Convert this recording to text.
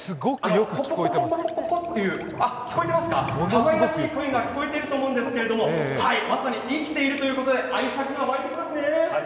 ぽこぽこぽって聞こえてますか、かわいらしい声が聞こえていると思うんですがまさに生きているということで愛着が湧いてきますね。